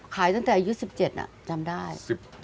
ขายตั้งแต่อายุ๑๗จำได้